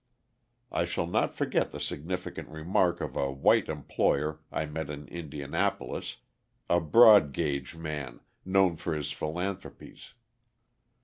I shall not forget the significant remark of a white employer I met in Indianapolis: a broad gauge man, known for his philanthropies.